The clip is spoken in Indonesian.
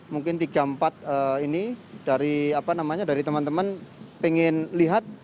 mungkin tiga empat ini dari teman teman pengen lihat